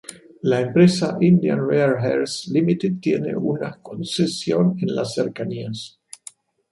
La empresa Indian rare Earths Limited tiene una concesión en las cercanías.